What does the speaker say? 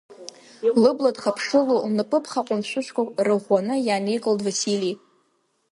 Лыбла дхыԥшыло, лнапыԥха ҟәымшәышәқәа рыӷәӷәаны иааникылт Васили.